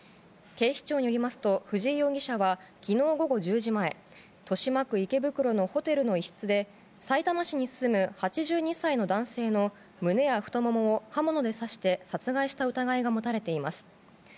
警視庁によりますと藤井容疑者は昨日午後１０時前豊島区池袋のホテルの一室でさいたま市に住む８２歳の男性の胸や太ももを刃物で刺して殺害した疑いが持たれています。